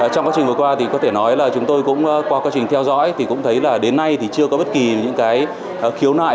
trong quá trình vừa qua thì có thể nói là chúng tôi cũng qua quá trình theo dõi thì cũng thấy là đến nay thì chưa có bất kỳ những cái khiếu nại